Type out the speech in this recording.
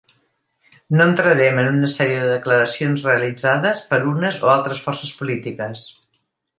No entrarem en una sèrie de declaracions realitzades per unes o altres forces polítiques.